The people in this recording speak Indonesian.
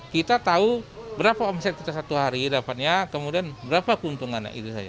kita tahu berapa omset kita satu hari dapatnya kemudian berapa keuntungannya itu saja